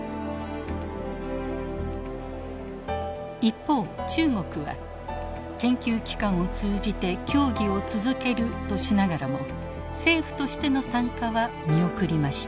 一方中国は研究機関を通じて協議を続けるとしながらも政府としての参加は見送りました。